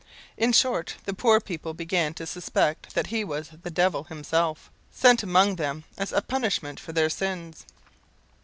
In short, the poor people began to suspect that he was the devil himself, sent among them as a punishment for their sins.